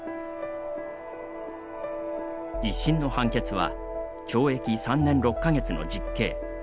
１審の判決は懲役３年６か月の実刑。